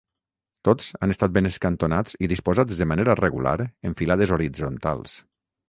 Tots han estat ben escantonats i disposats de manera regular en filades horitzontals.